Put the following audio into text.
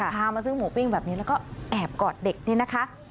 มาซื้อหมูปิ้งแบบนี้แล้วก็แอบกอดเด็กนี่นะคะ